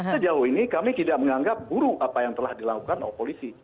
sejauh ini kami tidak menganggap buru apa yang telah dilakukan oleh polisi